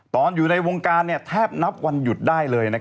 ตอนอยู่ในวงการแทบนับวันหยุดได้เลย